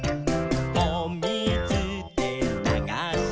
「おみずでながして」